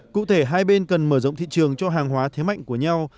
cụ thể hai bên cần mở rộng thị trường cho hàng hóa thế mạnh của nhau